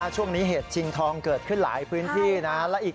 ช่วงนี้เหตุจิงทองเกิดขึ้นหลายพื้นที่นะแล้วอีก